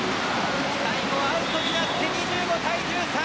最後は、アウトになって２５対１３！